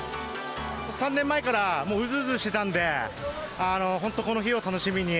３年前から、もううずうずしてたんで、本当、この日を楽しみに。